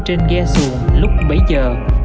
trên ghe xuồng lúc bảy giờ